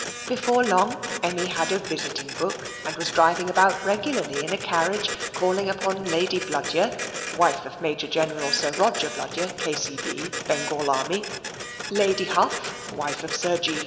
Before long Emmy had a visiting book, and was driving about regularly in a carriage, calling upon Lady Bludyer (wife of Major General Sir Roger Bludyer, K.C.B., Bengal Army); Lady Huff, wife of Sir G.